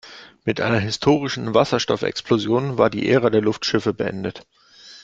Mit einer historischen Wasserstoffexplosion war die Ära der Luftschiffe beendet.